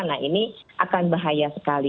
nah ini akan bahaya sekali